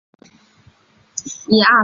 风暴也令数个机场被迫关闭。